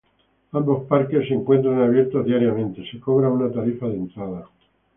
Ambos parques se encuentran abiertos diariamente; se cobra una tarifa de entrada.